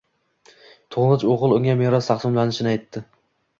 Toʻngʻich oʻgʻil unga meros taqsimlanishini aytdi.